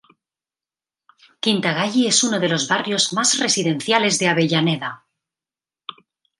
Quinta Galli es uno de los barrios más residenciales de Avellaneda.